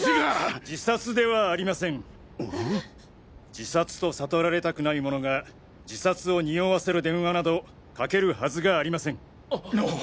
自殺とさとられたくない者が自殺を匂わせる電話などかけるはずがありません。